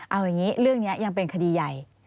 เอาอย่างนี้เรื่องนี้ยังเป็นคดีใหญ่